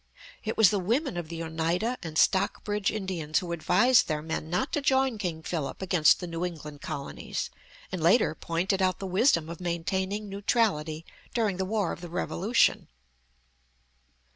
It was the women of the Oneida and Stockbridge Indians who advised their men not to join King Philip against the New England colonies, and, later, pointed out the wisdom of maintaining neutrality during the war of the Revolution.